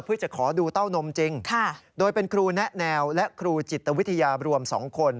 เพื่อจะขอดูเต้านมจริงโดยเป็นครูแนะแนวและครูจิตวิทยารวม๒คน